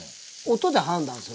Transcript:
音で判断する？